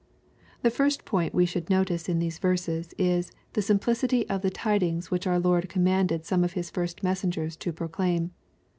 The first point we should notice in these verses is the simplicity of the tidings which our Lord commanded some of His first messengers to proclaim.